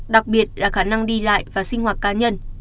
đặc biệt là khả năng đi lại và sinh hoạt cá nhân